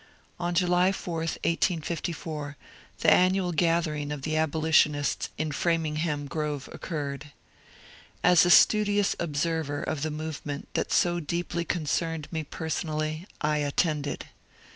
On July 4, 1854, the annual gathering of the abolitionists in Framingham Grrove occurred. As a studious observer of the movement that so deeply concerned me personally, I attended.